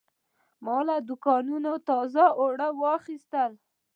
ما له دوکانه تازه اوړه واخیستل.